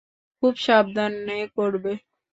খুব সাবধানে করবে।